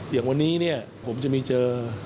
อย่างวันนี้เนี่ยผมจะไม่เจอ